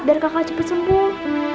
biar kakak cepat sembuh